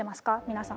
皆さん。